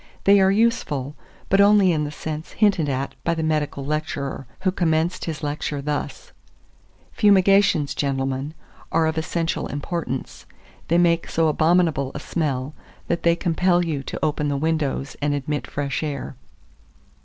They are useful, but only in the sense hinted at by the medical lecturer, who commenced his lecture thus: "Fumigations, gentlemen, are of essential importance; they make so abominable a smell, that they compel you to open the windows and admit fresh air."